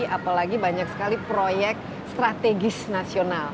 apalagi banyak sekali proyek strategis nasional